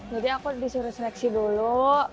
jadi aku disuruh seleksi dulu